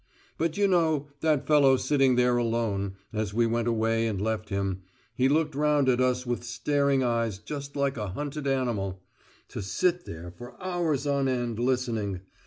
But, you know, that fellow sitting there alone ... as we went away and left him, he looked round at us with staring eyes just like a hunted animal. To sit there for hours on end, listening.